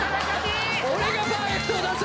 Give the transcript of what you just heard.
俺がパーフェクトを出す！